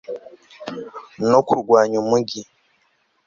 no kurwanya umugi